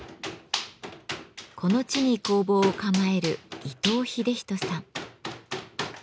この地に工房を構える伊藤秀人さん。